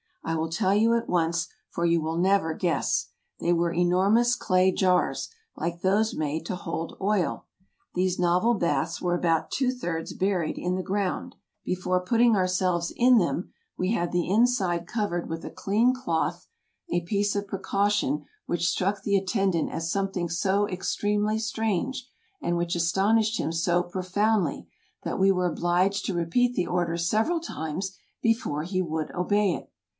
I will tell you at once, for you will never guess; they were enormous clay jars, like those made to hold oil. These novel baths were about two thirds buried in the ground. Before putting 182 EUROPE 183 ourselves in them we had the inside covered with a clean cloth, a piece of precaution which struck the attendant as something so extremely strange, and which astonished him so profoundly, that we were obliged to repeat the order several times before he would obey it.